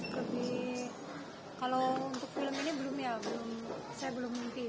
tapi kalau untuk film ini belum ya belum saya belum mimpi